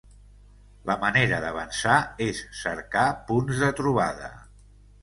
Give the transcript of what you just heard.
La manera d’avançar és cercar punts de trobada.